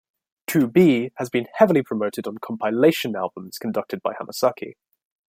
"To Be" has been heavily promoted on compilation albums conducted by Hamasaki.